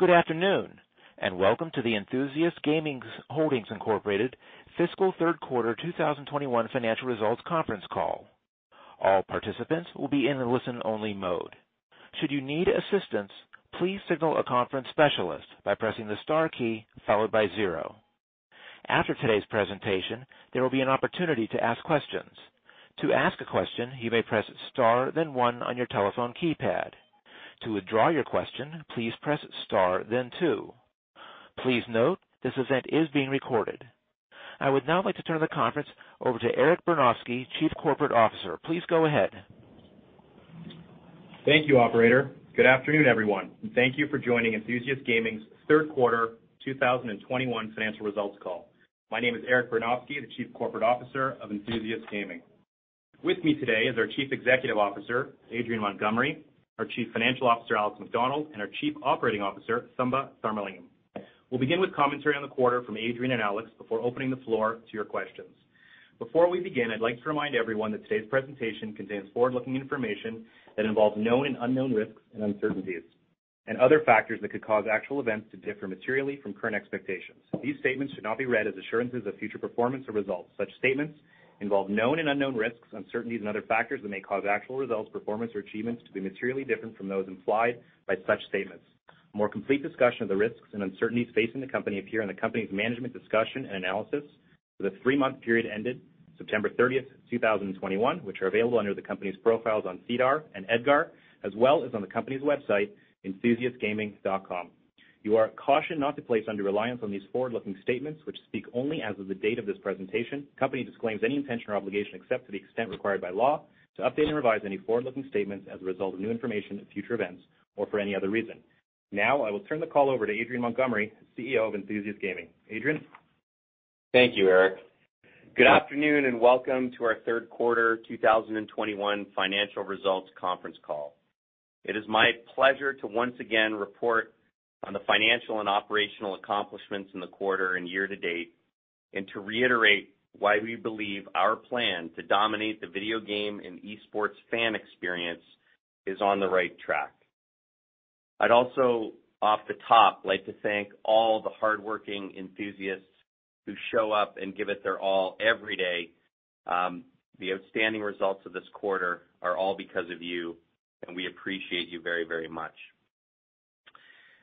Good afternoon, and welcome to the Enthusiast Gaming Holdings Inc. Fiscal Q3 2021 financial results conference call. All participants will be in a listen-only mode. Should you need assistance, please signal a conference specialist by pressing the star key followed by zero. After today's presentation, there will be an opportunity to ask questions. To ask a question, you may press star then one on your telephone keypad. To withdraw your question, please press star then two. Please note this event is being recorded. I would now like to turn the conference over to Eric Bernofsky, Chief Corporate Officer. Please go ahead. Thank you, operator. Good afternoon, everyone, and thank you for joining Enthusiast Gaming's Q3 2021 financial results call. My name is Eric Bernofsky, the Chief Corporate Officer of Enthusiast Gaming. With me today is our Chief Executive Officer, Adrian Montgomery, our Chief Financial Officer, Alex Macdonald, and our Chief Operating Officer, Thamba Tharmalingam. We'll begin with commentary on the quarter from Adrian and Alex before opening the floor to your questions. Before we begin, I'd like to remind everyone that today's presentation contains forward-looking information that involves known and unknown risks and uncertainties and other factors that could cause actual events to differ materially from current expectations. These statements should not be read as assurances of future performance or results. Such statements involve known and unknown risks, uncertainties, and other factors that may cause actual results, performance, or achievements to be materially different from those implied by such statements. More complete discussion of the risks and uncertainties facing the company appear in the company's management's discussion and analysis for the three-month period ended September 30th, 2021, which are available under the company's profiles on SEDAR and EDGAR, as well as on the company's website, enthusiastgaming.com. You are cautioned not to place undue reliance on these forward-looking statements which speak only as of the date of this presentation. The company disclaims any intention or obligation, except to the extent required by law to update and revise any forward-looking statements as a result of new information and future events or for any other reason. Now I will turn the call over to Adrian Montgomery, CEO of Enthusiast Gaming. Adrian. Thank you, Eric. Good afternoon, and welcome to our Q3 2021 financial results conference call. It is my pleasure to once again report on the financial and operational accomplishments in the quarter and year to date, and to reiterate why we believe our plan to dominate the video game and eSports fan experience is on the right track. I'd also off the top like to thank all the hardworking enthusiasts who show up and give it their all every day. The outstanding results of this quarter are all because of you, and we appreciate you very, very much.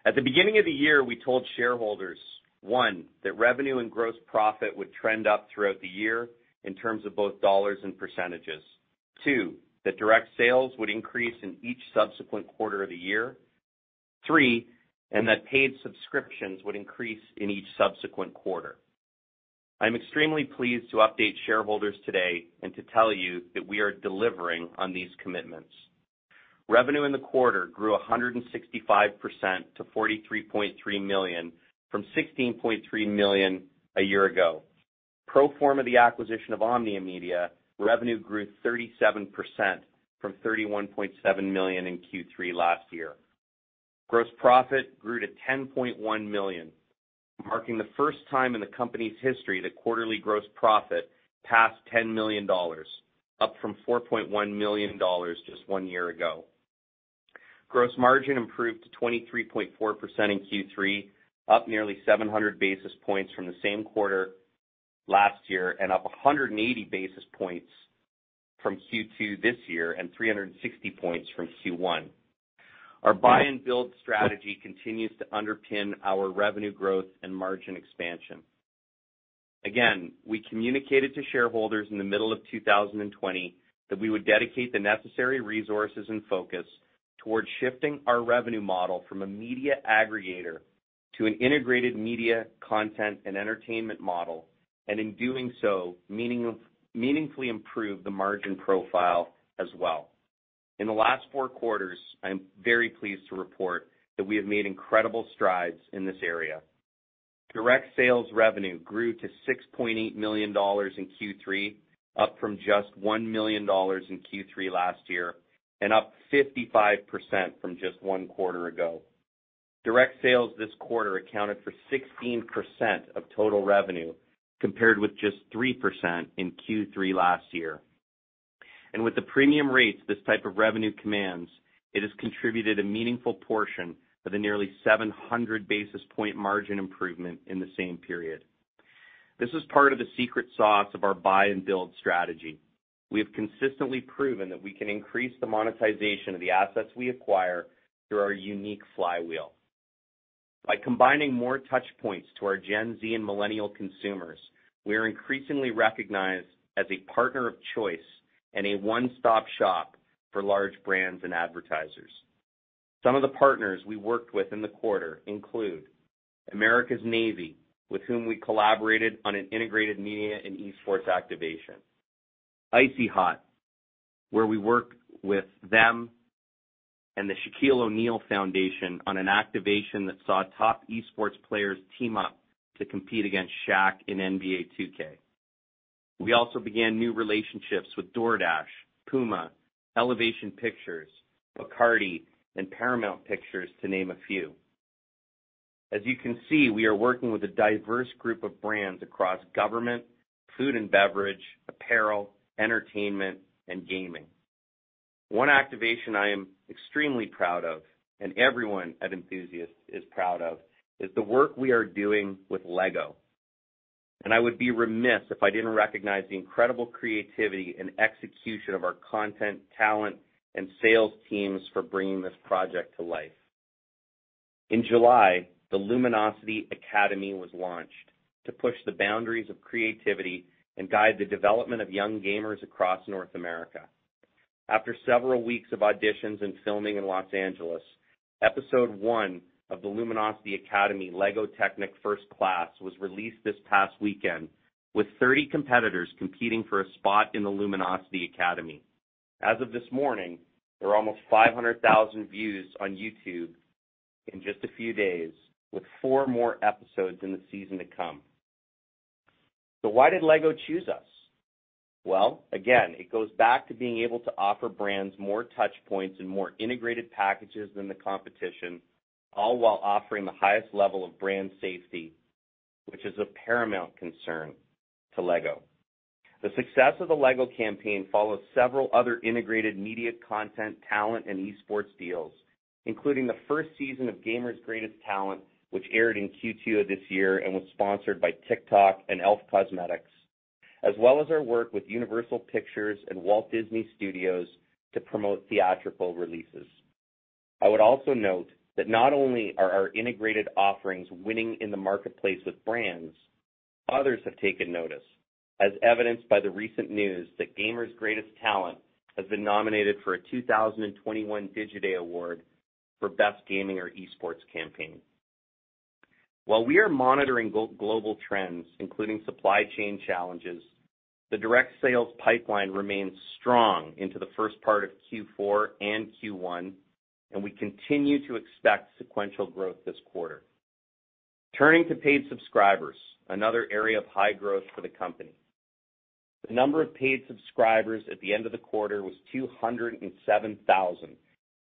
At the beginning of the year, we told shareholders, one, that revenue and gross profit would trend up throughout the year in terms of both dollars and percentages. Two, that direct sales would increase in each subsequent quarter of the year. Three, that paid subscriptions would increase in each subsequent quarter. I'm extremely pleased to update shareholders today and to tell you that we are delivering on these commitments. Revenue in the quarter grew 165% to $43.3 million from $16.3 million a year ago. Pro forma of the acquisition of Omnia Media, revenue grew 37% from $31.7 million in Q3 last year. Gross profit grew to $10.1 million, marking the first time in the company's history that quarterly gross profit passed $10 million, up from $4.1 million just one year ago. Gross margin improved to 23.4% in Q3, up nearly 700 basis points from the same quarter last year, and up 180 basis points from Q2 this year and 360 points from Q1. Our buy and build strategy continues to underpin our revenue growth and margin expansion. Again, we communicated to shareholders in the middle of 2020 that we would dedicate the necessary resources and focus towards shifting our revenue model from a media aggregator to an integrated media content and entertainment model, and in doing so, meaning, meaningfully improve the margin profile as well. In the last four quarters, I'm very pleased to report that we have made incredible strides in this area. Direct sales revenue grew to $6.8 million in Q3, up from just $1 million in Q3 last year and up 55% from just one quarter ago. Direct sales this quarter accounted for 16% of total revenue, compared with just 3% in Q3 last year. With the premium rates this type of revenue commands, it has contributed a meaningful portion of the nearly 700 basis points margin improvement in the same period. This is part of the secret sauce of our buy and build strategy. We have consistently proven that we can increase the monetization of the assets we acquire through our unique flywheel. By combining more touch points to our Gen Z and millennial consumers, we are increasingly recognized as a partner of choice and a one-stop-shop for large brands and advertisers. Some of the partners we worked with in the quarter include America's Navy, with whom we collaborated on an integrated media and eSports activation. Icy Hot, where we worked with them and the Shaquille O'Neal Foundation on an activation that saw top eSports players team up to compete against Shaq in NBA 2K. We also began new relationships with DoorDash, PUMA, Elevation Pictures, Bacardi, and Paramount Pictures, to name a few. As you can see, we are working with a diverse group of brands across government, food and beverage, apparel, entertainment, and gaming. One activation I am extremely proud of, and everyone at Enthusiast is proud of, is the work we are doing with LEGO. I would be remiss if I didn't recognize the incredible creativity and execution of our content, talent, and sales teams for bringing this project to life. In July, the Luminosity Academy was launched to push the boundaries of creativity and guide the development of young gamers across North America. After several weeks of auditions and filming in Los Angeles, episode one of the Luminosity Academy LEGO Technic First Class was released this past weekend, with 30 competitors competing for a spot in the Luminosity Academy. As of this morning, there are almost 500,000 views on YouTube in just a few days, with four more episodes in the season to come. Why did LEGO choose us? Well, again, it goes back to being able to offer brands more touch points and more integrated packages than the competition, all while offering the highest level of brand safety, which is of paramount concern to LEGO. The success of the LEGO campaign follows several other integrated media content, talent, and esports deals, including the first season of Gamer's GotTalent, which aired in Q2 of this year and was sponsored by TikTok and e.l.f. Cosmetics, as well as our work with Universal Pictures and Walt Disney Studios to promote theatrical releases. I would also note that not only are our integrated offerings winning in the marketplace with brands. Others have taken notice, as evidenced by the recent news that Gamer's Got Talent has been nominated for a 2021 Digiday Award for best gaming or esports campaign. While we are monitoring global trends, including supply chain challenges, the direct sales pipeline remains strong into the first part of Q4 and Q1, and we continue to expect sequential growth this quarter. Turning to paid subscribers, another area of high growth for the company. The number of paid subscribers at the end of the quarter was 207,000,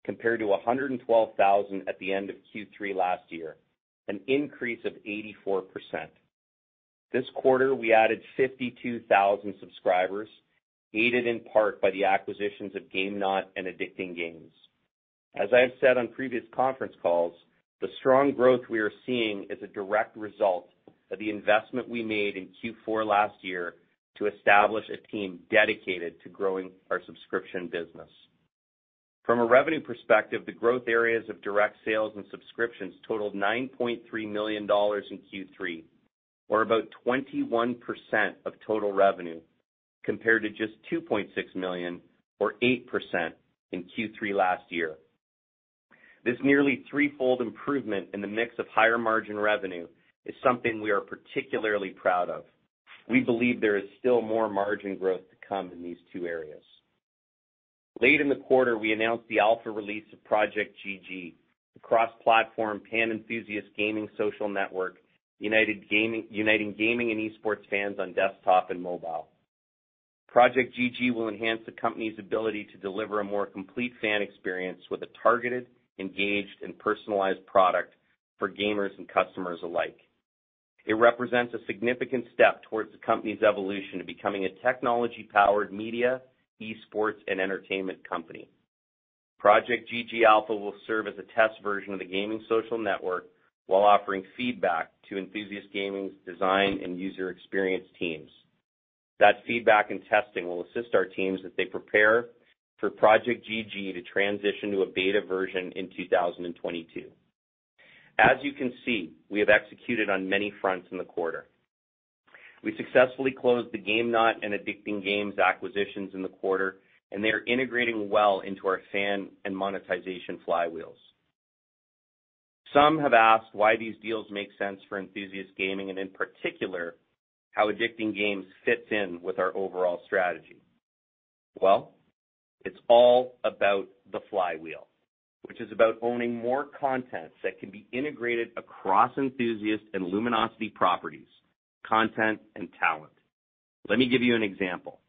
compared to 112,000 at the end of Q3 last year, an increase of 84%. This quarter, we added 52,000 subscribers, aided in part by the acquisitions of GameKnot and Addicting Games. As I have said on previous conference calls, the strong growth we are seeing is a direct result of the investment we made in Q4 last year to establish a team dedicated to growing our subscription business. From a revenue perspective, the growth areas of direct sales and subscriptions totaled 9.3 million dollars in Q3, or about 21% of total revenue, compared to just 2.6 million, or 8% in Q3 last year. This nearly threefold improvement in the mix of higher-margin revenue is something we are particularly proud of. We believe there is still more margin growth to come in these two areas. Late in the quarter, we announced the alpha release of Project GG, the cross-platform pan-Enthusiast Gaming social network, uniting gaming and esports fans on desktop and mobile. Project GG will enhance the company's ability to deliver a more complete fan experience with a targeted, engaged, and personalized product for gamers and customers alike. It represents a significant step towards the company's evolution to becoming a technology-powered media, esports, and entertainment company. Project GG Alpha will serve as a test version of the gaming social network while offering feedback to Enthusiast Gaming's design and user experience teams. That feedback and testing will assist our teams as they prepare for Project GG to transition to a beta version in 2022. As you can see, we have executed on many fronts in the quarter. We successfully closed the GameKnot and Addicting Games acquisitions in the quarter, and they are integrating well into our fan and monetization flywheels. Some have asked why these deals make sense for Enthusiast Gaming and in particular how Addicting Games fits in with our overall strategy. Well, it's all about the flywheel, which is about owning more content that can be integrated across Enthusiast and Luminosity properties, content and talent. Let me give you an example.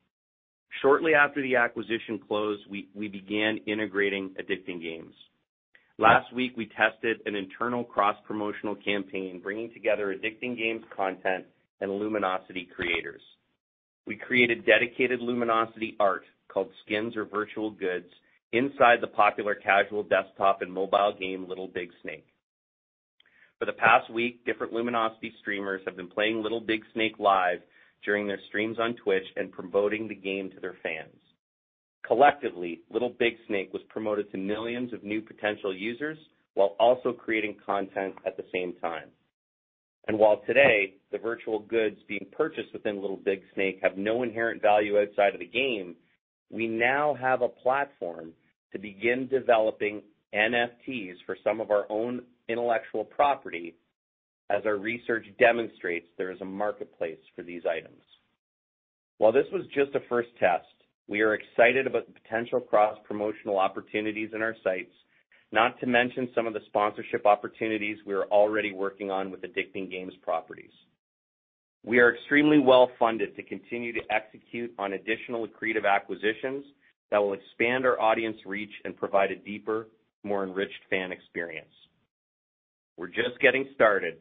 Shortly after the acquisition closed, we began integrating Addicting Games. Last week, we tested an internal cross-promotional campaign bringing together Addicting Games content and Luminosity creators. We created dedicated Luminosity art called skins or virtual goods inside the popular casual desktop and mobile game Little Big Snake. For the past week, different Luminosity streamers have been playing Little Big Snake live during their streams on Twitch and promoting the game to their fans. Collectively, Little Big Snake was promoted to millions of new potential users while also creating content at the same time. While today the virtual goods being purchased within Little Big Snake have no inherent value outside of the game, we now have a platform to begin developing NFTs for some of our own intellectual property as our research demonstrates there is a marketplace for these items. While this was just a first test, we are excited about the potential cross-promotional opportunities in our sites, not to mention some of the sponsorship opportunities we are already working on with Addicting Games properties. We are extremely well-funded to continue to execute on additional accretive acquisitions that will expand our audience reach and provide a deeper, more enriched fan experience. We're just getting started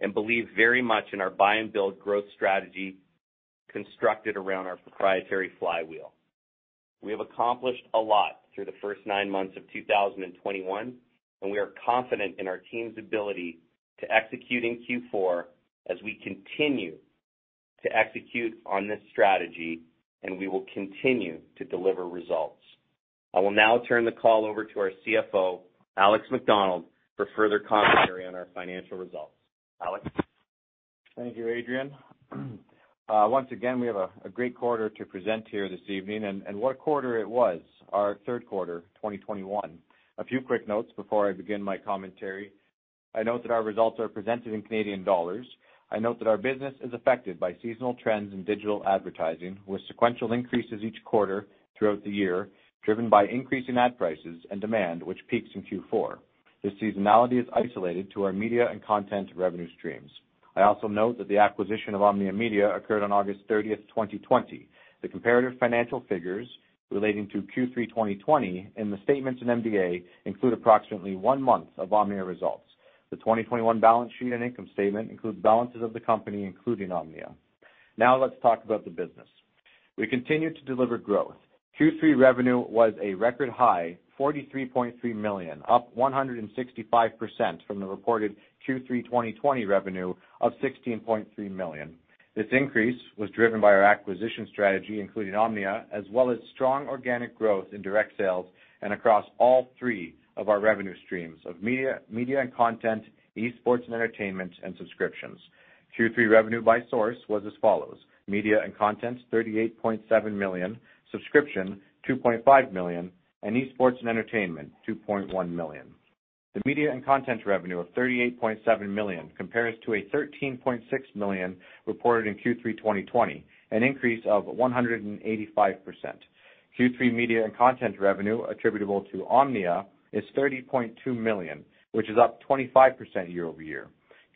and believe very much in our buy and build growth strategy constructed around our proprietary flywheel. We have accomplished a lot through the first nine months of 2021, and we are confident in our team's ability to execute in Q4 as we continue to execute on this strategy, and we will continue to deliver results. I will now turn the call over to our CFO, Alex Macdonald, for further commentary on our financial results. Alex. Thank you, Adrian. Once again, we have a great quarter to present here this evening, and what a quarter it was, our Q3 2021. A few quick notes before I begin my commentary. I note that our results are presented in Canadian dollars. I note that our business is affected by seasonal trends in digital advertising, with sequential increases each quarter throughout the year, driven by increasing ad prices and demand which peaks in Q4. This seasonality is isolated to our media and content revenue streams. I also note that the acquisition of Omnia Media occurred on August 30th, 2020. The comparative financial figures relating to Q3 2020 in the statements in MDA include approximately one month of Omnia results. The 2021 balance sheet and income statement includes balances of the company, including Omnia. Now let's talk about the business. We continue to deliver growth. Q3 revenue was a record high $43.3 million, up 165% from the reported Q3 2020 revenue of $16.3 million. This increase was driven by our acquisition strategy, including Omnia, as well as strong organic growth in direct sales and across all three of our revenue streams of media and content, esports and entertainment, and subscriptions. Q3 revenue by source was as follows. Media and Content, $38.7 million, Subscription, $2.5 million, and Esports and Entertainment, $2.1 million. The Media and Content revenue of $38.7 million compares to $13.6 million reported in Q3 2020, an increase of 185%. Q3 Media and Content revenue attributable to Omnia is $30.2 million, which is up 25% year-over-year.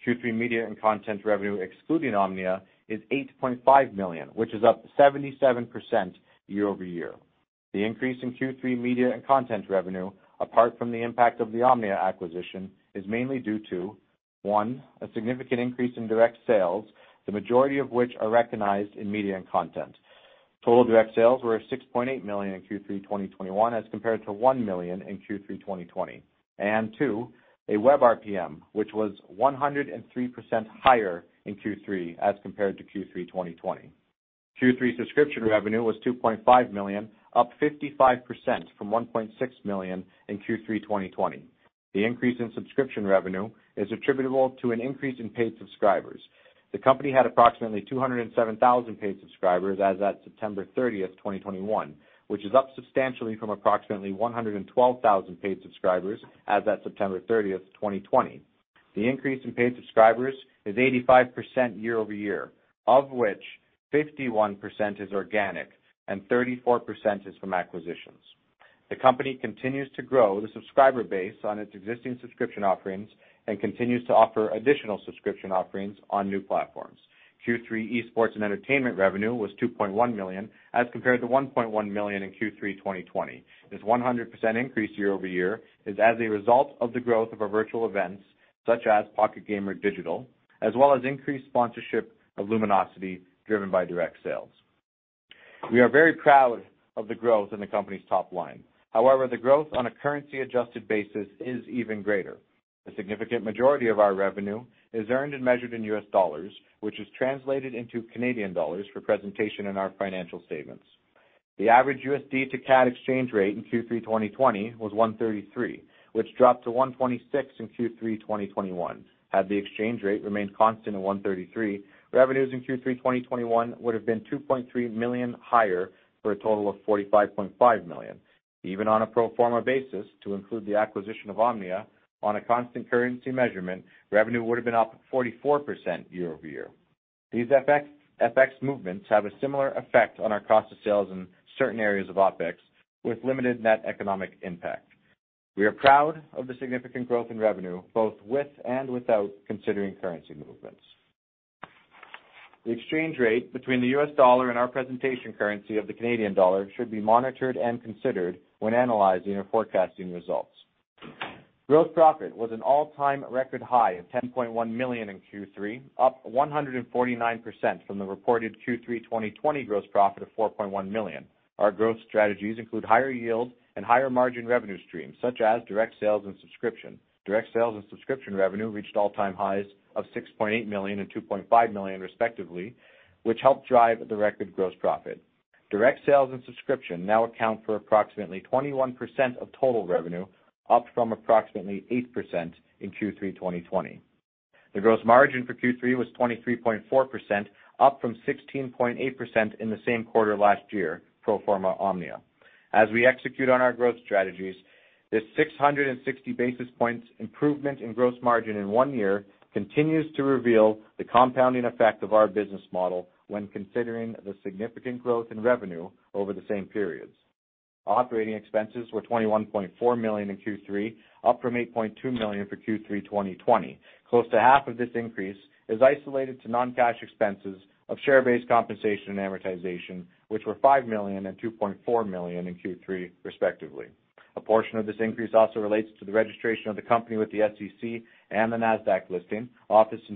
Q3 media and content revenue excluding Omnia is 8.5 million, which is up 77% year-over-year. The increase in Q3 media and content revenue, apart from the impact of the Omnia acquisition, is mainly due to one, a significant increase in direct sales, the majority of which are recognized in media and content. Total direct sales were 6.8 million in Q3 2021 as compared to 1 million in Q3 2020. Two, a web RPM, which was 103% higher in Q3 as compared to Q3 2020. Q3 subscription revenue was 2.5 million, up 55% from 1.6 million in Q3 2020. The increase in subscription revenue is attributable to an increase in paid subscribers. The company had approximately 207,000 paid subscribers as at September 30th, 2021, which is up substantially from approximately 112,000 paid subscribers as at September 30th, 2020. The increase in paid subscribers is 85% year-over-year, of which 51% is organic and 34% is from acquisitions. The company continues to grow the subscriber base on its existing subscription offerings and continues to offer additional subscription offerings on new platforms. Q3 esports and entertainment revenue was $2.1 million as compared to $1.1 million in Q3 2020. This 100% increase year-over-year is as a result of the growth of our virtual events, such as Pocket Gamer Connects Digital, as well as increased sponsorship of Luminosity, driven by direct sales. We are very proud of the growth in the company's top line. However, the growth on a currency-adjusted basis is even greater. A significant majority of our revenue is earned and measured in US dollars, which is translated into Canadian dollars for presentation in our financial statements. The average USD to CAD exchange rate in Q3 2020 was 1.33, which dropped to 1.26 in Q3 2021. Had the exchange rate remained constant at 1.33, revenues in Q3 2021 would have been 2.3 million higher for a total of 45.5 million. Even on a pro forma basis, to include the acquisition of Omnia on a constant currency measurement, revenue would have been up 44% year-over-year. These FX movements have a similar effect on our cost of sales in certain areas of OpEx with limited net economic impact. We are proud of the significant growth in revenue, both with and without considering currency movements. The exchange rate between the US dollar and our presentation currency of the Canadian dollar should be monitored and considered when analyzing or forecasting results. Gross profit was an all-time record high of 10.1 million in Q3, up 149% from the reported Q3 2020 gross profit of 4.1 million. Our growth strategies include higher yield and higher margin revenue streams such as direct sales and subscription. Direct sales and subscription revenue reached all-time highs of 6.8 million and 2.5 million respectively, which helped drive the record gross profit. Direct sales and subscription now account for approximately 21% of total revenue, up from approximately 8% in Q3 2020. The gross margin for Q3 was 23.4%, up from 16.8% in the same quarter last year, pro forma Omnia. As we execute on our growth strategies, this 660 basis points improvement in gross margin in one year continues to reveal the compounding effect of our business model when considering the significant growth in revenue over the same periods. Operating expenses were $21.4 million in Q3, up from $8.2 million for Q3 2020. Close to half of this increase is isolated to non-cash expenses of share-based compensation and amortization, which were $5 million and $2.4 million in Q3, respectively. A portion of this increase also relates to the registration of the company with the SEC and the Nasdaq listing.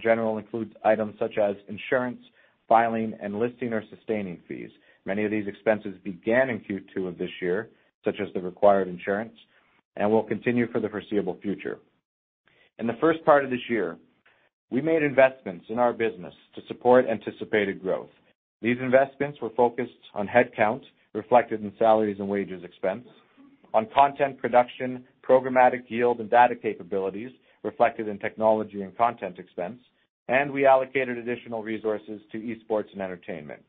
G&A includes items such as insurance, filing, and listing or sustaining fees. Many of these expenses began in Q2 of this year, such as the required insurance, and will continue for the foreseeable future. In the first part of this year, we made investments in our business to support anticipated growth. These investments were focused on headcount, reflected in salaries and wages expense, on content production, programmatic yield, and data capabilities reflected in technology and content expense. We allocated additional resources to esports and entertainment.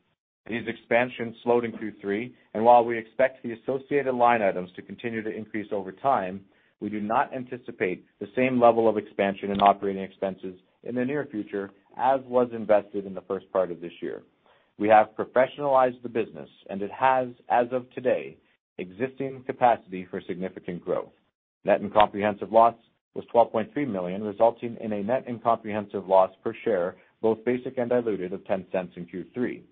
These expansions slowed in Q3, and while we expect the associated line items to continue to increase over time, we do not anticipate the same level of expansion in operating expenses in the near future as was invested in the first part of this year. We have professionalized the business, and it has, as of today, existing capacity for significant growth. Net comprehensive loss was $12.3 million, resulting in a net comprehensive loss per share, both basic and diluted, of $0.10 in Q3.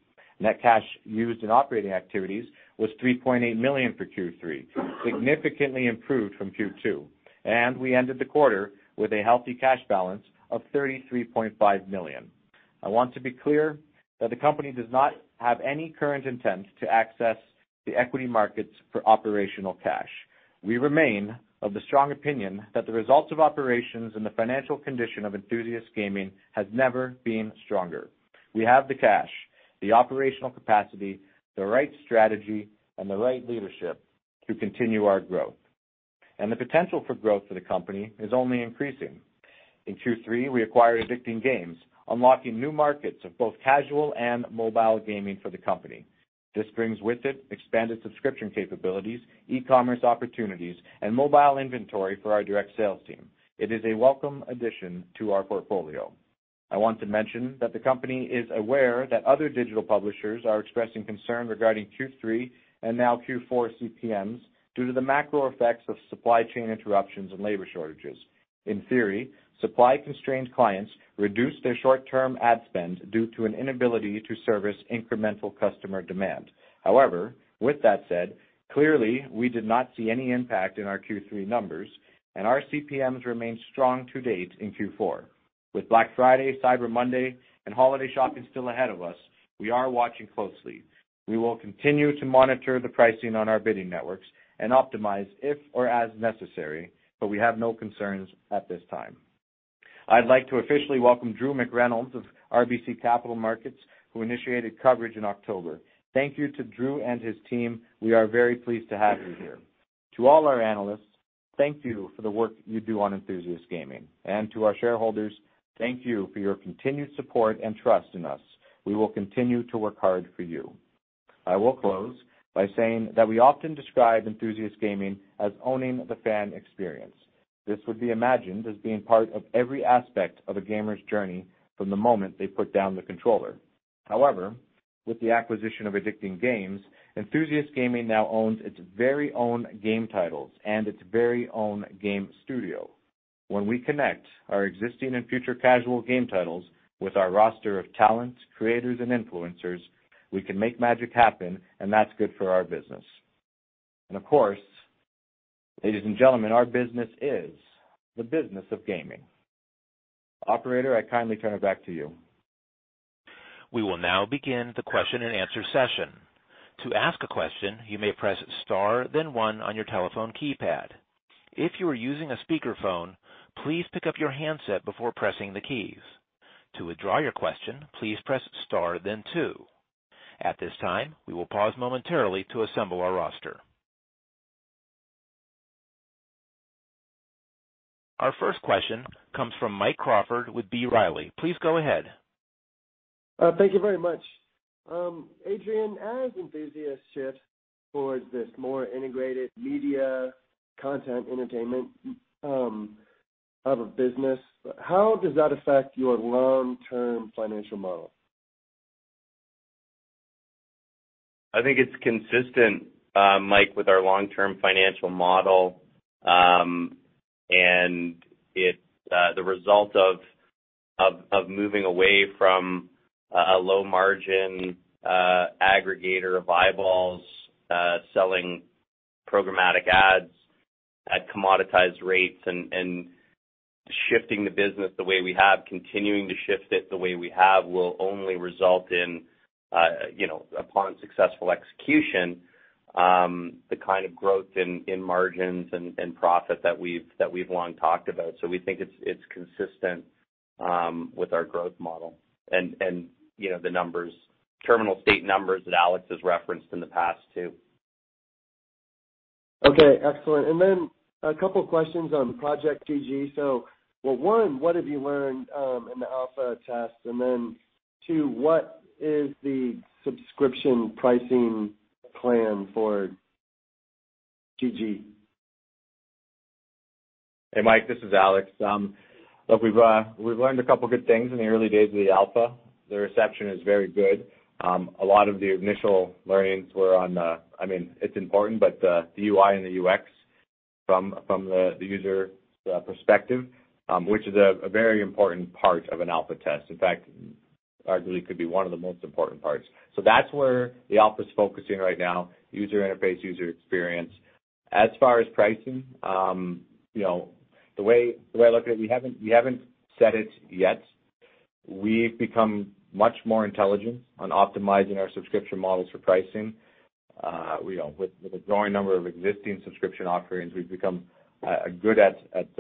Net cash used in operating activities was $3.8 million for Q3, significantly improved from Q2. We ended the quarter with a healthy cash balance of $33.5 million. I want to be clear that the company does not have any current intent to access the equity markets for operational cash. We remain of the strong opinion that the results of operations and the financial condition of Enthusiast Gaming has never been stronger. We have the cash, the operational capacity, the right strategy, and the right leadership to continue our growth. The potential for growth for the company is only increasing. In Q3, we acquired Addicting Games, unlocking new markets of both casual and mobile gaming for the company. This brings with it expanded subscription capabilities, e-commerce opportunities, and mobile inventory for our direct sales team. It is a welcome addition to our portfolio. I want to mention that the company is aware that other digital publishers are expressing concern regarding Q3 and now Q4 CPMs due to the macro effects of supply chain interruptions and labor shortages. In theory, supply-constrained clients reduce their short-term ad spend due to an inability to service incremental customer demand. However, with that said, clearly we did not see any impact in our Q3 numbers, and our CPMs remain strong to date in Q4. With Black Friday, Cyber Monday, and holiday shopping still ahead of us, we are watching closely. We will continue to monitor the pricing on our bidding networks and optimize if or as necessary, but we have no concerns at this time. I'd like to officially welcome Drew McReynolds of RBC Capital Markets, who initiated coverage in October. Thank you to Drew and his team. We are very pleased to have you here. To all our analysts, thank you for the work you do on Enthusiast Gaming. To our shareholders, thank you for your continued support and trust in us. We will continue to work hard for you. I will close by saying that we often describe Enthusiast Gaming as owning the fan experience. This would be imagined as being part of every aspect of a gamer's journey from the moment they put down the controller. However, with the acquisition of Addicting Games, Enthusiast Gaming now owns its very own game titles and its very own game studio. When we connect our existing and future casual game titles with our roster of talents, creators, and influencers, we can make magic happen, and that's good for our business. Of course, ladies and gentlemen, our business is the business of gaming. Operator, I kindly turn it back to you. We will now begin the question-and-answer session. To ask a question, you may press star then one on your telephone keypad. If you are using a speakerphone, please pick up your handset before pressing the keys. To withdraw your question, please press star then two. At this time, we will pause momentarily to assemble our roster. Our first question comes from Mike Crawford with B. Riley. Please go ahead. Thank you very much. Adrian, as Enthusiast shifts towards this more integrated media content entertainment, type of business, how does that affect your long-term financial model? I think it's consistent, Mike, with our long-term financial model. It's the result of moving away from a low margin aggregator of eyeballs selling programmatic ads at commoditized rates and shifting the business the way we have. Continuing to shift it the way we have will only result in, you know, upon successful execution, the kind of growth in margins and profit that we've long talked about. We think it's consistent with our growth model and, you know, the numbers, terminal state numbers that Alex has referenced in the past too. Okay, excellent. A couple questions on Project GG. Well, one, what have you learned in the alpha tests? Two, what is the subscription pricing plan for GG? Hey, Mike, this is Alex. Look, we've learned a couple good things in the early days of the alpha. The reception is very good. A lot of the initial learnings were on, I mean, it's important, but the UI and the UX from the user perspective, which is a very important part of an alpha test, in fact, arguably could be one of the most important parts. That's where the alpha's focusing right now, user interface, user experience. As far as pricing, you know, the way I look at it, we haven't set it yet. We've become much more intelligent on optimizing our subscription models for pricing. You know, with a growing number of existing subscription offerings, we've become good at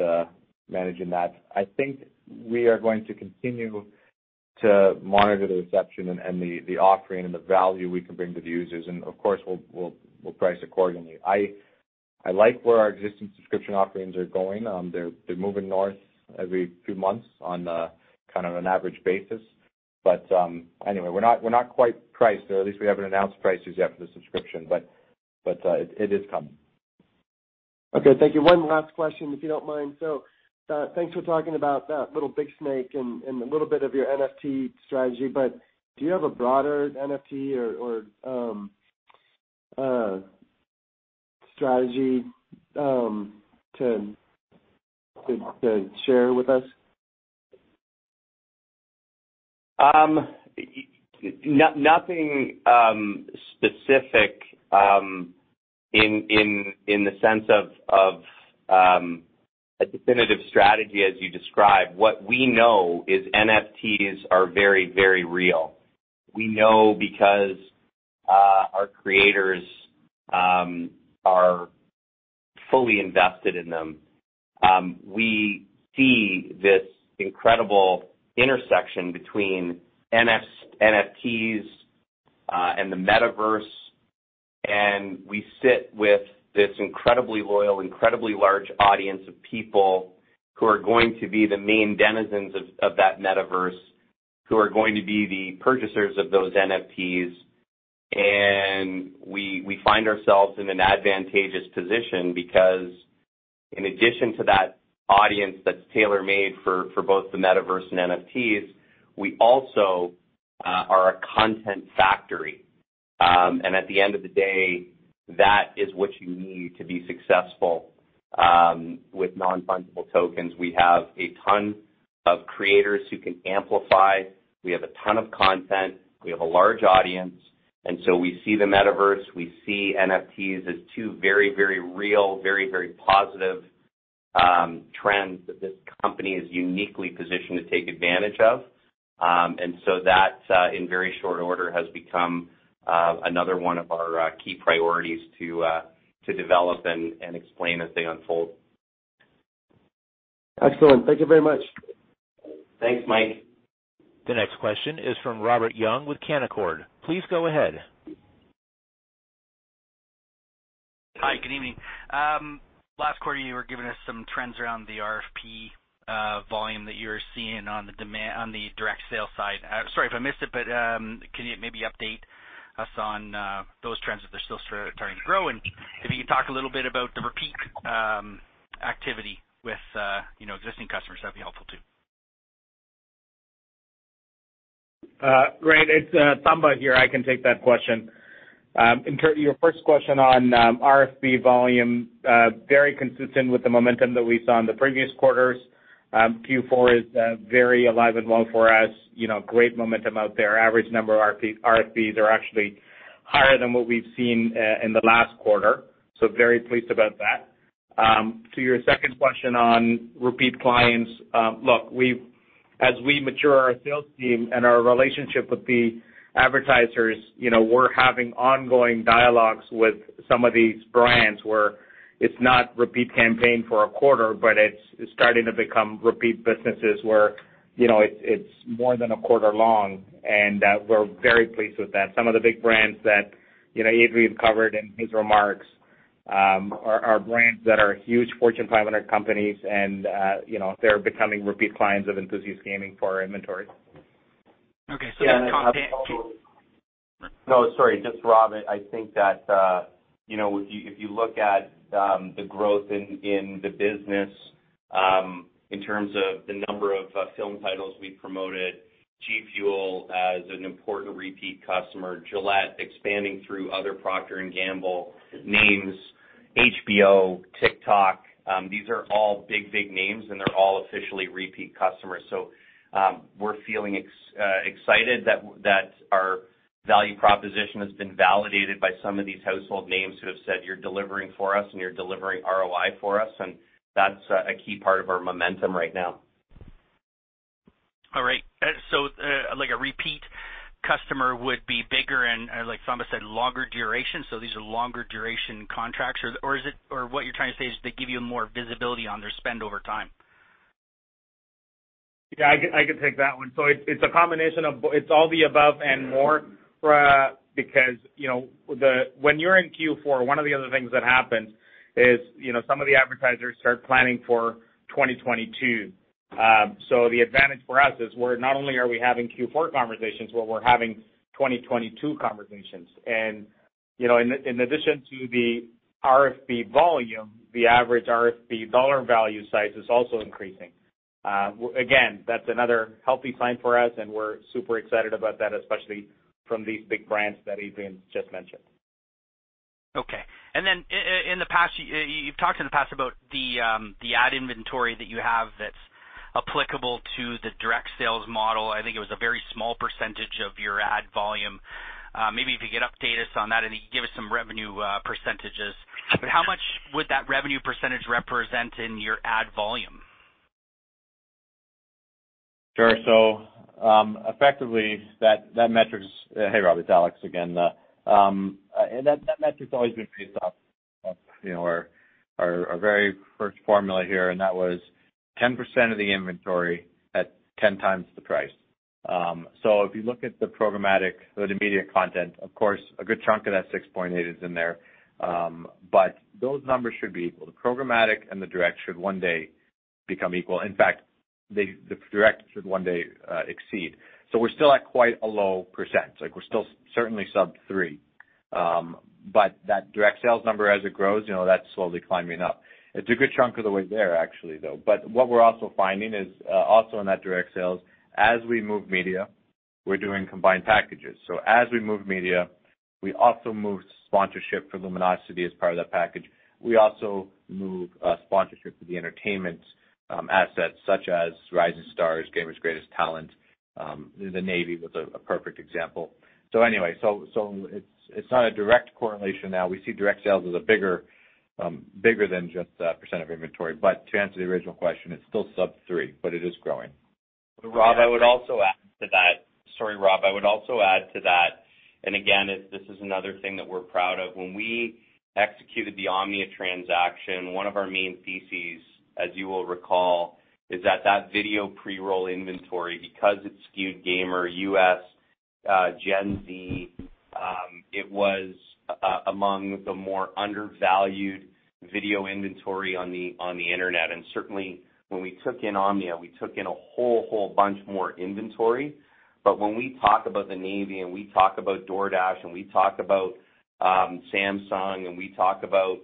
managing that. I think we are going to continue to monitor the reception and the offering and the value we can bring to the users. Of course, we'll price accordingly. I like where our existing subscription offerings are going. They're moving north every few months on kind of an average basis. Anyway, we're not quite priced, or at least we haven't announced prices yet for the subscription, but it is coming. Okay. Thank you. One last question, if you don't mind. Thanks for talking about that Little Big Snake and a little bit of your NFT strategy. Do you have a broader NFT or strategy to share with us? Nothing specific in the sense of a definitive strategy as you describe. What we know is NFTs are very, very real. We know because our creators are fully invested in them. We see this incredible intersection between NFTs and the Metaverse. We sit with this incredibly loyal, incredibly large audience of people who are going to be the main denizens of that Metaverse, who are going to be the purchasers of those NFTs. We find ourselves in an advantageous position because in addition to that audience that's tailor-made for both the Metaverse and NFTs, we also are a content factory. At the end of the day, that is what you need to be successful with non-fungible tokens. We have a ton of creators who can amplify. We have a ton of content. We have a large audience. We see the Metaverse, we see NFTs as two very, very real, very, very positive trends that this company is uniquely positioned to take advantage of. That in very short order has become another one of our key priorities to develop and explain as they unfold. Excellent. Thank you very much. Thanks, Mike. The next question is from Robert Young with Canaccord. Please go ahead. Hi, good evening. Last quarter, you were giving us some trends around the RFP volume that you're seeing on the direct sale side. Sorry if I missed it, but can you maybe update us on those trends, if they're still starting to grow? If you could talk a little bit about the repeat activity with you know, existing customers, that'd be helpful too. Great. It's Thamba here, I can take that question. Your first question on RFP volume is very consistent with the momentum that we saw in the previous quarters. Q4 is very alive and well for us. You know, great momentum out there. Average number of RFPs are actually higher than what we've seen in the last quarter, so very pleased about that. To your second question on repeat clients, look, as we mature our sales team and our relationship with the advertisers, you know, we're having ongoing dialogues with some of these brands where it's not repeat campaign for a quarter, but it's starting to become repeat businesses where, you know, it's more than a quarter long, and we're very pleased with that. Some of the big brands that, you know, Adrian covered in his remarks, are brands that are huge Fortune 500 companies and, you know, they're becoming repeat clients of Enthusiast Gaming for our inventory. Okay. The content. No, sorry. Robert, I think that you know, if you look at the growth in the business in terms of the number of film titles we promoted, G FUEL as an important repeat customer, Gillette expanding through other Procter & Gamble names, HBO, TikTok, these are all big names, and they're all officially repeat customers. We're feeling excited that our value proposition has been validated by some of these household names who have said, "You're delivering for us, and you're delivering ROI for us." That's a key part of our momentum right now. All right. So, like a repeat customer would be bigger and, like Thamba said, longer duration. These are longer duration contracts. Or what you're trying to say is they give you more visibility on their spend over time? Yeah, I can take that one. It's a combination of all the above and more. Because, you know, when you're in Q4, one of the other things that happens is, you know, some of the advertisers start planning for 2022. The advantage for us is we're not only having Q4 conversations, but we're having 2022 conversations. You know, in addition to the RFP volume, the average RFP dollar value size is also increasing. Again, that's another healthy sign for us, and we're super excited about that, especially from these big brands that Adrian just mentioned. Okay. In the past you've talked in the past about the ad inventory that you have that's applicable to the direct sales model. I think it was a very small percentage of your ad volume. Maybe if you could update us on that and give us some revenue percentages. How much would that revenue percentage represent in your ad volume? Sure. Effectively, that metric's Hey, Rob, it's Alex again. That metric's always been based off, you know, our very first formula here, and that was 10% of the inventory at 10x the price. If you look at the programmatic or the media content, of course, a good chunk of that 6.8 is in there, but those numbers should be equal. The programmatic and the direct should one day become equal. In fact, the direct should one day exceed. We're still at quite a low percent. Like, we're still certainly sub 3%. But that direct sales number as it grows, you know, that's slowly climbing up. It's a good chunk of the way there actually, though. What we're also finding is also in that direct sales, as we move media, we're doing combined packages. As we move media, we also move sponsorship for Luminosity as part of that package. We also move sponsorship for the entertainment assets such as Rising Stars, Gamer's Got Talent. The Navy was a perfect example. Anyway, it's not a direct correlation now. We see direct sales as bigger than just a percentage of inventory. To answer the original question, it's still sub-3%, but it is growing. Sorry, Rob, I would also add to that, and again, this is another thing that we're proud of. When we executed the Omnia transaction, one of our main theses, as you will recall, is that that video pre-roll inventory, because it's skewed gamer, U.S., Gen Z, it was among the more undervalued video inventory on the Internet. Certainly when we took in Omnia, we took in a whole bunch more inventory. When we talk about the Navy, and we talk about DoorDash, and we talk about Samsung, and we talk about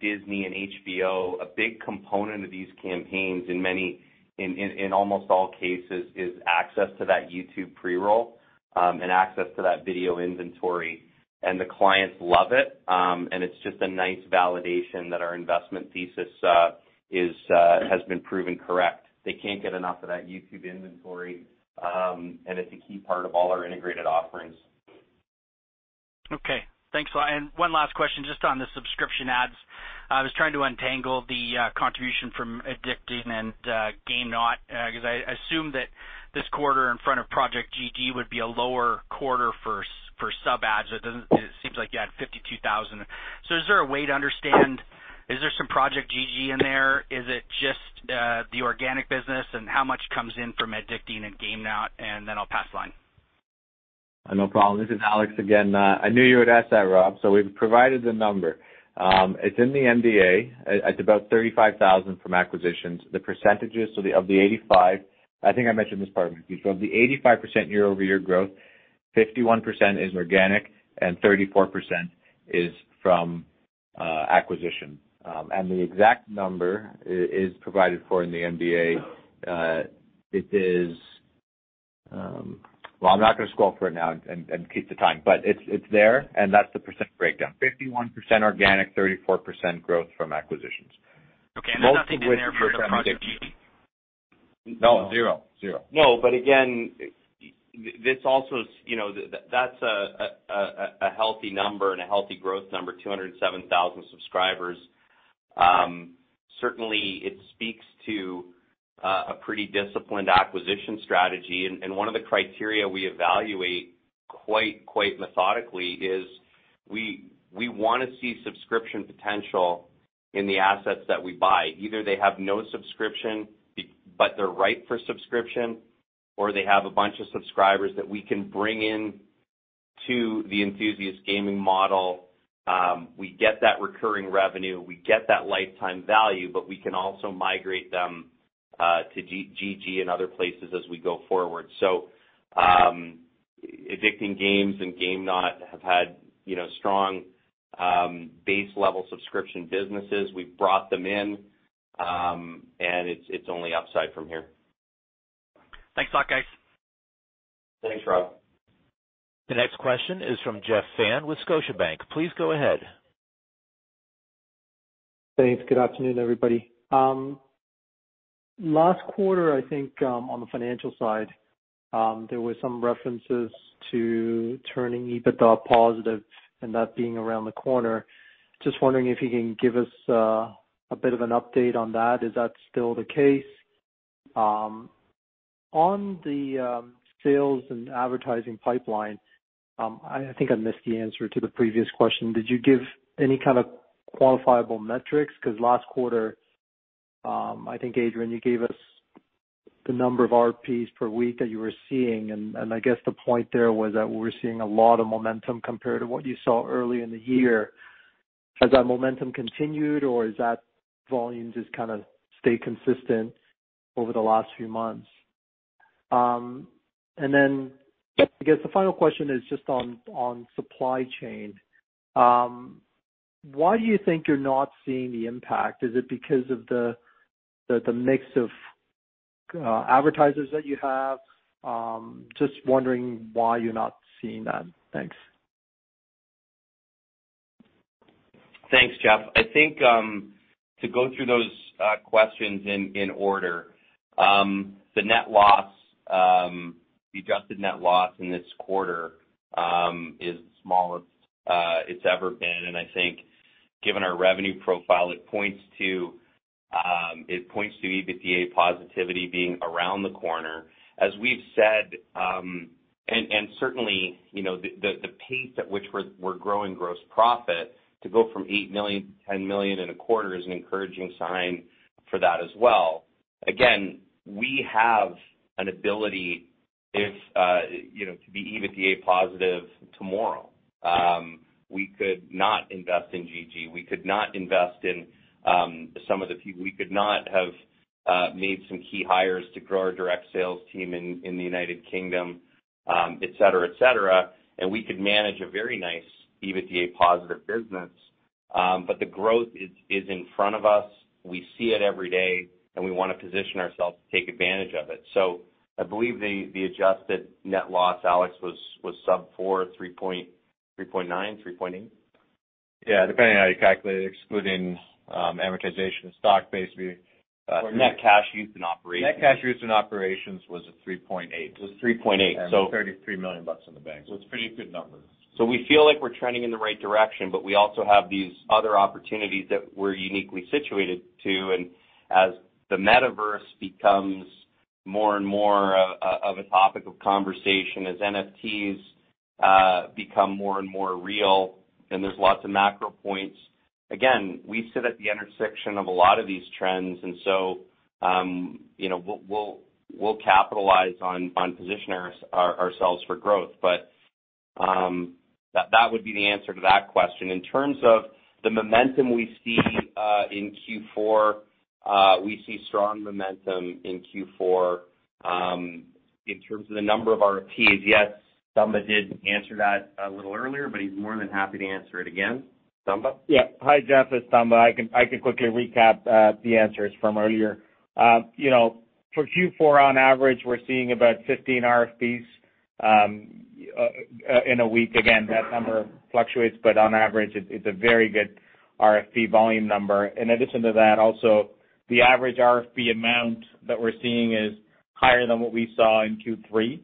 Disney and HBO, a big component of these campaigns in many, in almost all cases is access to that YouTube pre-roll, and access to that video inventory. The clients love it, and it's just a nice validation that our investment thesis has been proven correct. They can't get enough of that YouTube inventory, and it's a key part of all our integrated offerings. Okay. Thanks a lot. One last question, just on the subscription ads. I was trying to untangle the contribution from Addicting and GameKnot, 'cause I assume that this quarter in front of Project GG would be a lower quarter for sub ads. It seems like you had 52,000. So is there a way to understand, is there some Project GG in there? Is it just the organic business, and how much comes in from Addicting and GameKnot? Then I'll pass the line. No problem. This is Alex again. I knew you would ask that, Rob. We've provided the number. It's in the MDA. It's about 35,000 from acquisitions. I think I mentioned this part. Of the 85% year-over-year growth, 51% is organic and 34% is from acquisition. The exact number is provided for in the MDA. It is. Well, I'm not gonna scroll through it now and keep the time, but it's there, and that's the percent breakdown. 51% organic, 34% growth from acquisitions. Okay. There's nothing in there from Project GG? No, 0. 0. No, but again, this also is, that's a healthy number and a healthy growth number, 207,000 subscribers. Certainly it speaks to a pretty disciplined acquisition strategy. One of the criteria we evaluate quite methodically is we wanna see subscription potential in the assets that we buy. Either they have no subscription but they're right for subscription, or they have a bunch of subscribers that we can bring in to the Enthusiast Gaming model. We get that recurring revenue, we get that lifetime value, but we can also migrate them to GG and other places as we go forward. Addicting Games and GameKnot have had strong base level subscription businesses. We've brought them in, and it's only upside from here. Thanks a lot, guys. Thanks, Rob. The next question is from Jeff Fan with Scotiabank. Please go ahead. Thanks. Good afternoon, everybody. Last quarter, I think, on the financial side, there were some references to turning EBITDA positive and that being around the corner. Just wondering if you can give us a bit of an update on that. Is that still the case? On the sales and advertising pipeline, I think I missed the answer to the previous question. Did you give any kind of qualifiable metrics? 'Cause last quarter, I think, Adrian, you gave us the number of RFPs per week that you were seeing, and I guess the point there was that we were seeing a lot of momentum compared to what you saw early in the year. Has that momentum continued, or has that volume just kind of stayed consistent over the last few months? I guess the final question is just on supply chain. Why do you think you're not seeing the impact? Is it because of the mix of advertisers that you have? Just wondering why you're not seeing that. Thanks. Thanks, Jeff. I think to go through those questions in order, the net loss, the adjusted net loss in this quarter is the smallest it's ever been. I think given our revenue profile, it points to EBITDA positivity being around the corner. As we've said, and certainly, you know, the pace at which we're growing gross profit to go from 8 million to 10 million in a quarter is an encouraging sign for that as well. Again, we have an ability if you know to be EBITDA positive tomorrow. We could not invest in GG. We could not invest in some of the people. We could not have made some key hires to grow our direct sales team in the United Kingdom, et cetera, and we could manage a very nice EBITDA positive business. The growth is in front of us. We see it every day, and we wanna position ourselves to take advantage of it. I believe the adjusted net loss, Alex, was sub 4, 3.9, 3.8. Yeah. Depending on how you calculate it, excluding amortization of stock, basically. Net cash used in operations. Net cash used in operations was at 3.8. It was 3.8. $33 million in the bank. It's pretty good numbers. We feel like we're trending in the right direction, but we also have these other opportunities that we're uniquely situated to. As the Metaverse becomes more and more of a topic of conversation, as NFTs become more and more real, and there's lots of macro points. Again, we sit at the intersection of a lot of these trends, we'll capitalize on positioning ourselves for growth. That would be the answer to that question. In terms of the momentum we see in Q4, we see strong momentum in Q4 in terms of the number of RFPs. Yes, Thamba did answer that a little earlier, but he's more than happy to answer it again. Thamba? Yeah. Hi, Jeff. It's Thamba. I can quickly recap the answers from earlier. You know, for Q4, on average, we're seeing about 15 RFPs in a week. Again, that number fluctuates, but on average, it's a very good RFP volume number. In addition to that, also, the average RFP amount that we're seeing is higher than what we saw in Q3.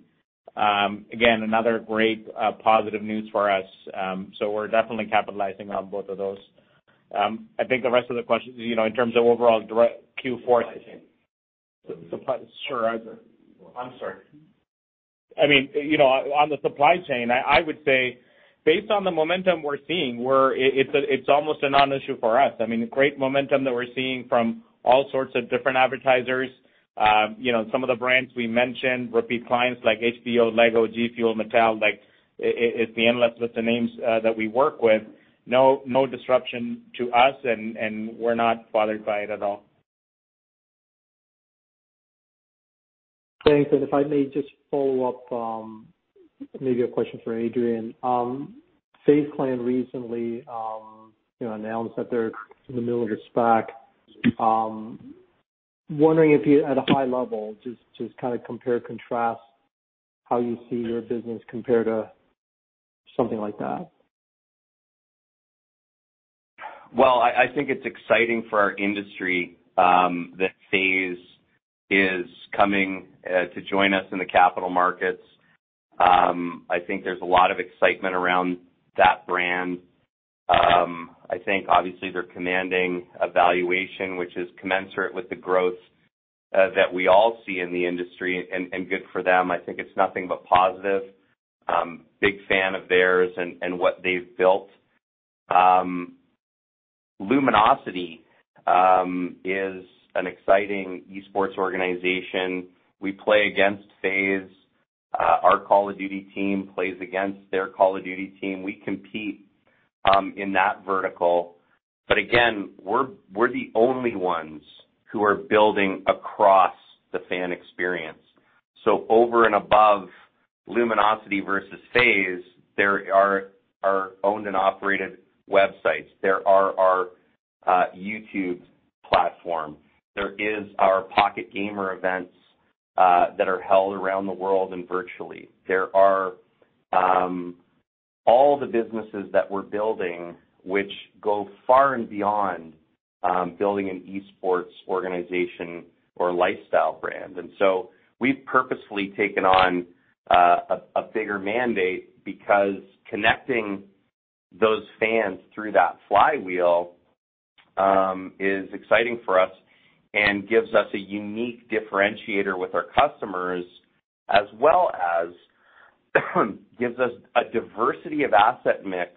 Again, another great positive news for us. So we're definitely capitalizing on both of those. I think the rest of the questions, you know, in terms of overall Q4. Supply chain. Supply. Sure. I'm sorry. I mean, you know, on the supply chain, I would say based on the momentum we're seeing, it's almost a non-issue for us. I mean, great momentum that we're seeing from all sorts of different advertisers. You know, some of the brands we mentioned, repeat clients like HBO, LEGO, G FUEL, Mattel, like, it's the endless list of names that we work with. No disruption to us and we're not bothered by it at all. Thanks. If I may just follow up, maybe a question for Adrian. FaZe Clan recently, you know, announced that they're in the middle of a SPAC. Wondering if you at a high level just kinda compare, contrast how you see your business compare to something like that. Well, I think it's exciting for our industry that FaZe is coming to join us in the capital markets. I think there's a lot of excitement around that brand. I think obviously they're commanding a valuation which is commensurate with the growth that we all see in the industry, and good for them. I think it's nothing but positive. Big fan of theirs and what they've built. Luminosity is an exciting esports organization. We play against FaZe. Our Call of Duty team plays against their Call of Duty team. We compete in that vertical. Again, we're the only ones who are building across the fan experience. Over and above Luminosity versus FaZe, there are our owned and operated websites. There are our YouTube platform. There is our Pocket Gamer events that are held around the world and virtually. There are all the businesses that we're building which go far and beyond building an esports organization or lifestyle brand. We've purposefully taken on a bigger mandate because connecting those fans through that flywheel is exciting for us and gives us a unique differentiator with our customers, as well as gives us a diversity of asset mix,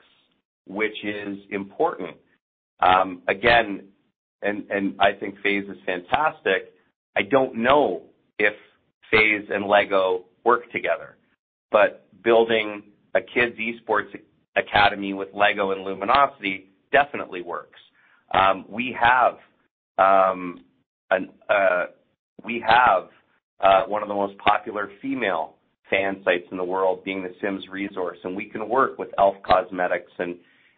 which is important. Again, I think FaZe is fantastic. I don't know if FaZe and LEGO work together, but building a kids esports academy with LEGO and Luminosity definitely works. We have one of the most popular female fan sites in the world being The Sims Resource, and we can work with e.l.f. Cosmetics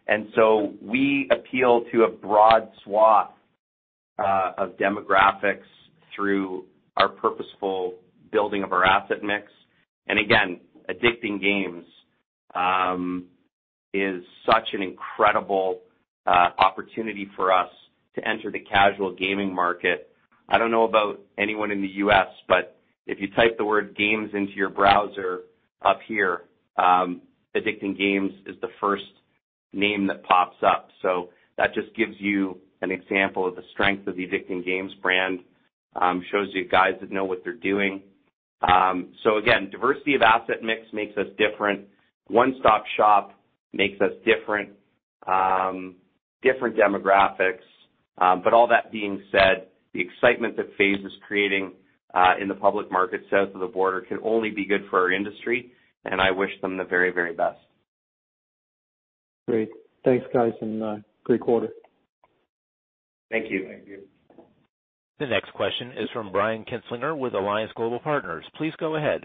and so we appeal to a broad swath of demographics through our purposeful building of our asset mix. Again, Addicting Games is such an incredible opportunity for us to enter the casual gaming market. I don't know about anyone in the U.S., but if you type the word games into your browser up here, Addicting Games is the first name that pops up. That just gives you an example of the strength of the Addicting Games brand, shows you guys that know what they're doing. Again, diversity of asset mix makes us different. One-stop shop makes us different demographics. All that being said, the excitement that FaZe Clan is creating in the public market south of the border can only be good for our industry, and I wish them the very, very best. Great. Thanks, guys, and great quarter. Thank you. The next question is from Brian Kinstlinger with Alliance Global Partners. Please go ahead.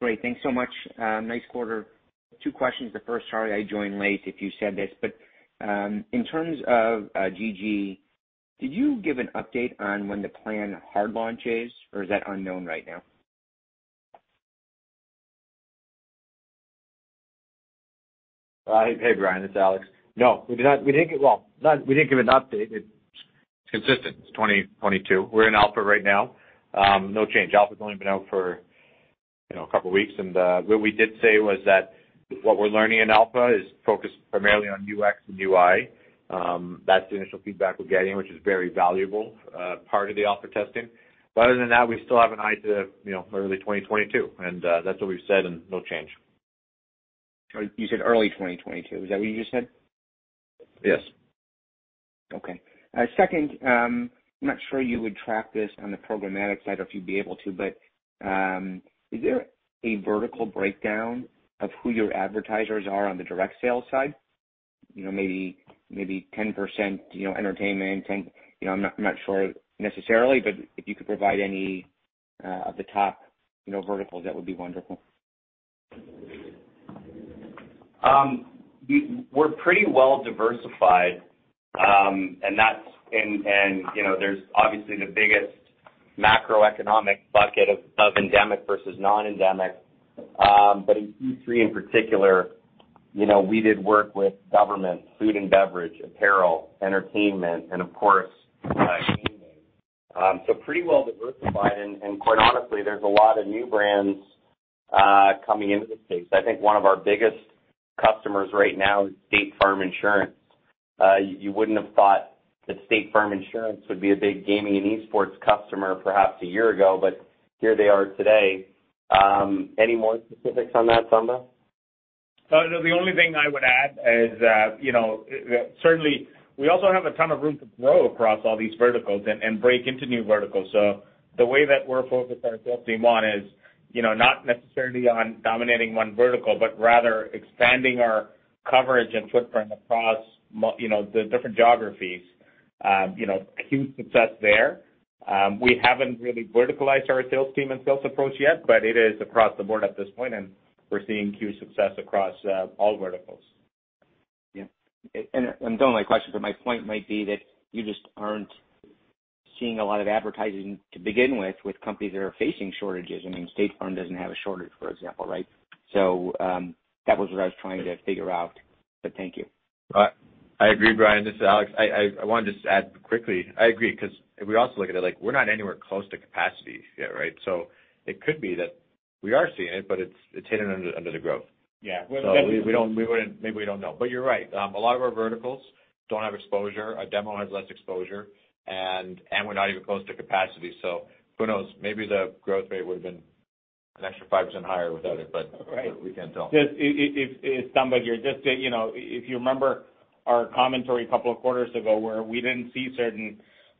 Great. Thanks so much. Nice quarter. Two questions. The first, Charlie, I joined late if you said this, but, in terms of, GG, did you give an update on when the planned hard launch is, or is that unknown right now? Hey, Brian. It's Alex. No, we did not. We didn't give an update. It's consistent. It's 2022. We're in alpha right now. No change. Alpha's only been out for, you know, a couple weeks. What we did say was that what we're learning in alpha is focused primarily on UX and UI. That's the initial feedback we're getting, which is very valuable part of the alpha testing. But other than that, we still have an eye to, you know, early 2022, and that's what we've said and no change. You said early 2022. Is that what you just said? Yes. Okay. Second, I'm not sure you would track this on the programmatic side or if you'd be able to, but is there a vertical breakdown of who your advertisers are on the direct sales side? You know, maybe 10%, you know, entertainment, 10%. You know, I'm not sure necessarily, but if you could provide any of the top, you know, verticals, that would be wonderful. We're pretty well diversified. You know, there's obviously the biggest macroeconomic bucket of endemic versus non-endemic. In Q3 in particular, you know, we did work with government, food and beverage, apparel, entertainment and of course, gaming. Pretty well diversified and quite honestly, there's a lot of new brands coming into the space. I think one of our biggest customers right now is State Farm Insurance. You wouldn't have thought that State Farm Insurance would be a big gaming and esports customer perhaps a year ago, but here they are today. Any more specifics on that, Thamba? No. The only thing I would add is that, you know, certainly we also have a ton of room to grow across all these verticals and break into new verticals. The way that we're focused our sales team on is, you know, not necessarily on dominating one vertical, but rather expanding our coverage and footprint across, you know, the different geographies. You know, huge success there. We haven't really verticalized our sales team and sales approach yet, but it is across the board at this point, and we're seeing huge success across all verticals. Yeah. I'm done with my questions, but my point might be that you just aren't seeing a lot of advertising to begin with companies that are facing shortages. I mean, State Farm doesn't have a shortage, for example, right? That was what I was trying to figure out. Thank you. I agree, Brian. This is Alex. I want to just add quickly. I agree 'cause if we also look at it like we're not anywhere close to capacity yet, right? It could be that we are seeing it, but it's hidden under the growth. Yeah. Maybe we don't know. You're right. A lot of our verticals don't have exposure. Our demo has less exposure and we're not even close to capacity. Who knows? Maybe the growth rate would have been an extra 5% higher without it, but Right. We can't tell. It's Thamba here. Just to, you know, if you remember our commentary a couple of quarters ago where we didn't see certain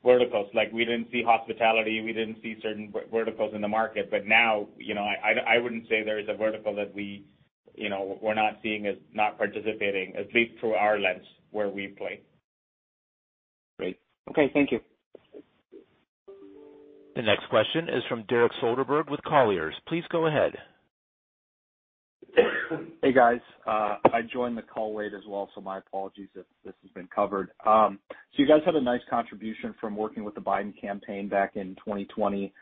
verticals. Like we didn't see hospitality, we didn't see certain verticals in the market. Now, you know, I wouldn't say there is a vertical that we, you know, we're not seeing as not participating, at least through our lens where we play. Great. Okay. Thank you. The next question is from Derek Soderberg with Colliers. Please go ahead. Hey, guys. I joined the call late as well, so my apologies if this has been covered. You guys had a nice contribution from working with the Biden campaign back in 2020.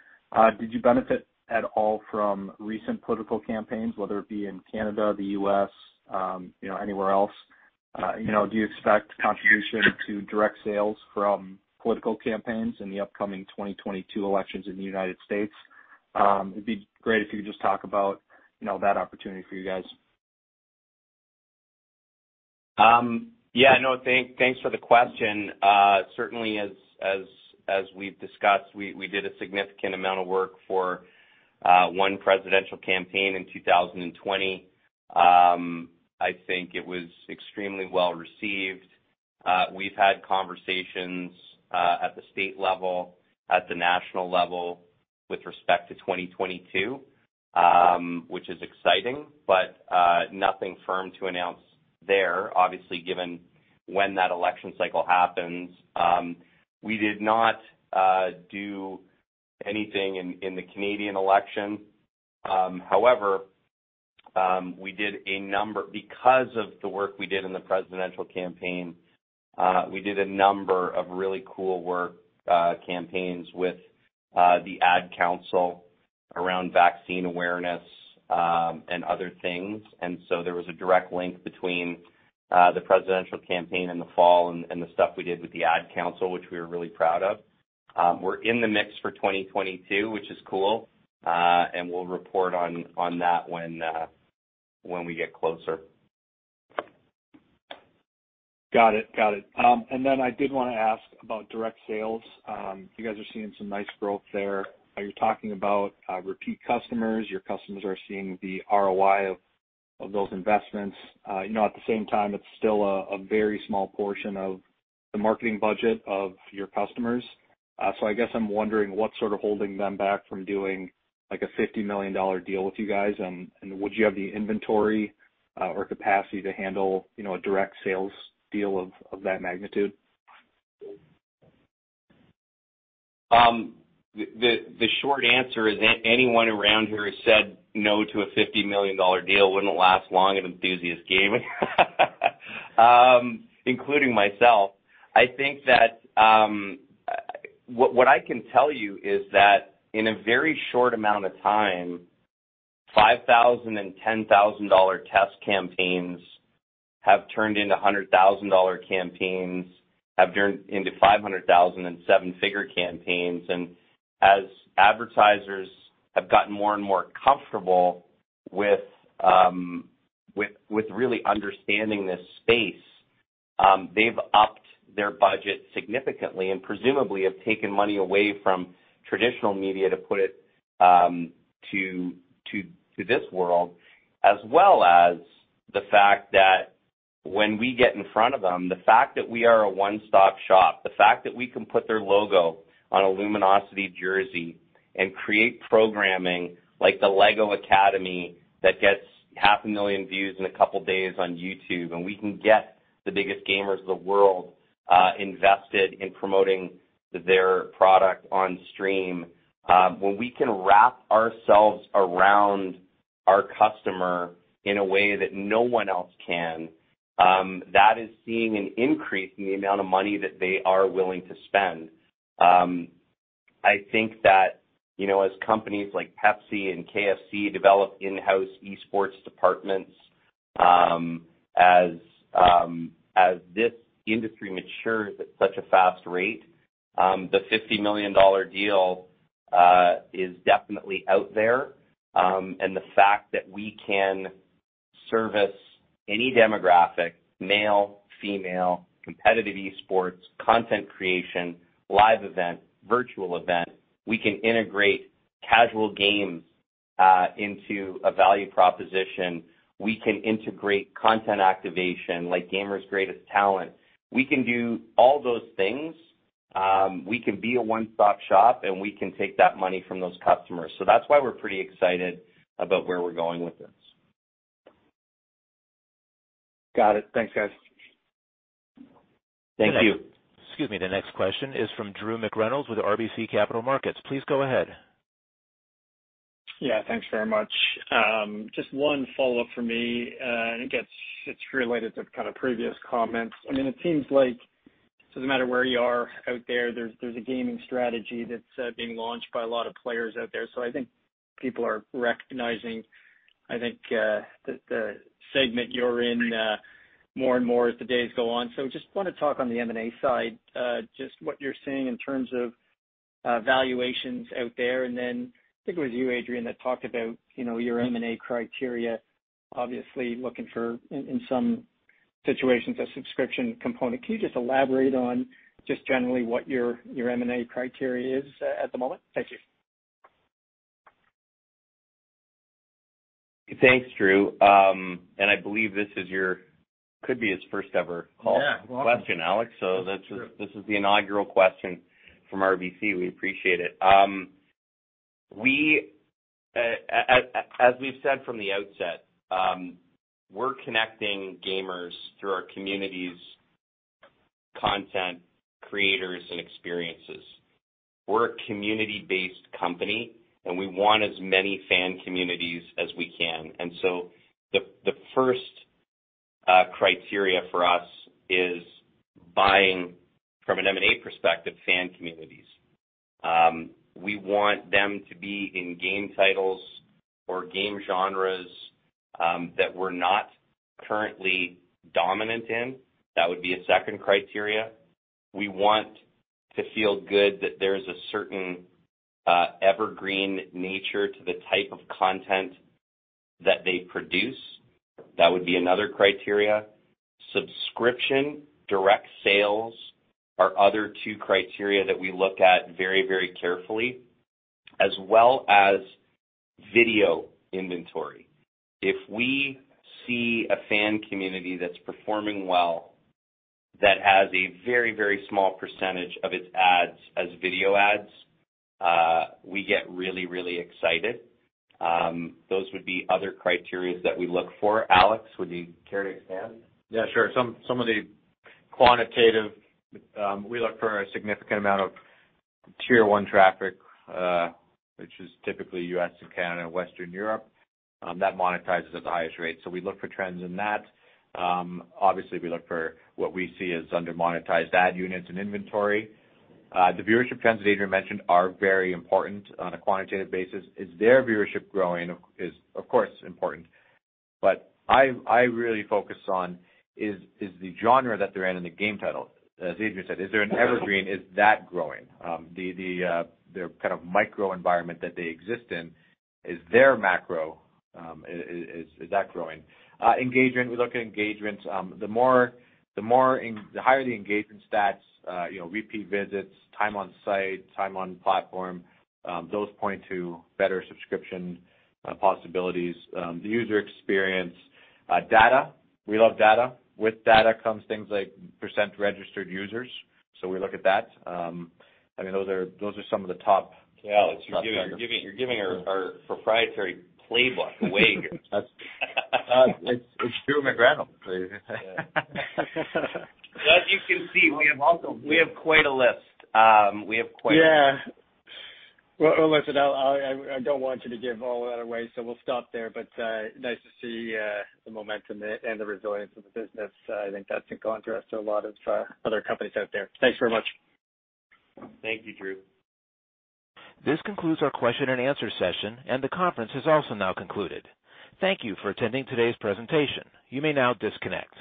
Did you benefit at all from recent political campaigns, whether it be in Canada, the U.S., you know, anywhere else? You know, do you expect contribution to direct sales from political campaigns in the upcoming 2022 elections in the United States? It'd be great if you could just talk about, you know, that opportunity for you guys. Yeah, no, thanks for the question. Certainly as we've discussed, we did a significant amount of work for one presidential campaign in 2020. I think it was extremely well-received. We've had conversations at the state level, at the national level with respect to 2022, which is exciting, but nothing firm to announce there, obviously, given when that election cycle happens. We did not do anything in the Canadian election. However, because of the work we did in the presidential campaign, we did a number of really cool work campaigns with the Ad Council around vaccine awareness and other things. There was a direct link between the presidential campaign in the fall and the stuff we did with the Ad Council, which we were really proud of. We're in the mix for 2022, which is cool. We'll report on that when we get closer. Got it. I did wanna ask about direct sales. You guys are seeing some nice growth there. You're talking about repeat customers. Your customers are seeing the ROI of those investments. You know, at the same time, it's still a very small portion of the marketing budget of your customers. I guess I'm wondering what's sort of holding them back from doing, like, a $50 million deal with you guys. Would you have the inventory or capacity to handle, you know, a direct sales deal of that magnitude? The short answer is anyone around here who said no to a $50 million deal wouldn't last long at Enthusiast Gaming, including myself. I think that what I can tell you is that in a very short amount of time, $5,000 and $10,000 test campaigns have turned into $100,000 campaigns, have turned into $500,000 and seven-figure campaigns. As advertisers have gotten more and more comfortable with really understanding this space, they've upped their budget significantly, and presumably have taken money away from traditional media to put it to this world. As well as the fact that when we get in front of them, the fact that we are a one-stop shop, the fact that we can put their logo on a Luminosity jersey and create programming like the Luminosity Academy that gets half a million views in a couple days on YouTube, and we can get the biggest gamers of the world invested in promoting their product on stream. When we can wrap ourselves around our customer in a way that no one else can, that is seeing an increase in the amount of money that they are willing to spend. I think that, you know, as companies like Pepsi and KFC develop in-house esports departments, as this industry matures at such a fast rate, the $50 million deal is definitely out there. The fact that we can service any demographic, male, female, competitive esports, content creation, live event, virtual event. We can integrate casual games into a value proposition. We can integrate content activation like Gamer's Got Talent. We can do all those things. We can be a one-stop shop, and we can take that money from those customers. That's why we're pretty excited about where we're going with this. Got it. Thanks, guys. Thank you. Excuse me. The next question is from Drew McReynolds with RBC Capital Markets. Please go ahead. Yeah, thanks very much. Just one follow-up from me, and it's related to kind of previous comments. I mean, it seems like it doesn't matter where you are out there's a gaming strategy that's being launched by a lot of players out there. I think people are recognizing, I think, the segment you're in more and more as the days go on. Just wanna talk on the M&A side, just what you're seeing in terms of valuations out there. Then I think it was you, Adrian, that talked about, you know, your M&A criteria, obviously looking for, in some situations, a subscription component. Can you just elaborate on just generally what your M&A criteria is at the moment? Thank you. Thanks, Drew. I believe this could be his first ever call. Yeah. Welcome. Question, Alex. That's- True. This is the inaugural question from RBC. We appreciate it. As we've said from the outset, we're connecting gamers through our communities, content, creators, and experiences. We're a community-based company, and we want as many fan communities as we can. The first criteria for us is buying from an M&A perspective, fan communities. We want them to be in game titles or game genres that we're not currently dominant in. That would be a second criteria. We want to feel good that there's a certain evergreen nature to the type of content that they produce. That would be another criteria. Subscription, direct sales are other two criteria that we look at very, very carefully as well as video inventory. If we see a fan community that's performing well that has a very, very small percentage of its ads as video ads, we get really, really excited. Those would be other criteria that we look for. Alex, would you care to expand? Yeah, sure. Some of the quantitative. We look for a significant amount of tier one traffic, which is typically U.S. and Canada, Western Europe, that monetizes at the highest rate. We look for trends in that. Obviously, we look for what we see as under-monetized ad units and inventory. The viewership trends that Adrian mentioned are very important on a quantitative basis. Is their viewership growing, of course, important. I really focus on the genre that they're in and the game title. As Adrian said, is there an evergreen? Is that growing? Their kind of microenvironment that they exist in, is their macro, is that growing? Engagement, we look at engagements. The higher the engagement stats, you know, repeat visits, time on site, time on platform, those point to better subscription possibilities. The user experience data, we love data. With data comes things like percent registered users, so we look at that. I mean, those are some of the top- Alex, you're giving our proprietary playbook away here. That's, it's Drew McReynolds. As you can see, we have quite a list. Yeah. Well, listen, I don't want you to give all that away, so we'll stop there. Nice to see the momentum and the resilience of the business. I think that's in contrast to a lot of other companies out there. Thanks very much. Thank you, Drew. This concludes our question and answer session, and the conference has also now concluded. Thank you for attending today's presentation. You may now disconnect.